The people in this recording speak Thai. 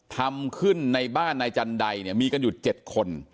ทำขึ้นในบ้านนายจันใดเนี่ยมีกันอยู่๗คน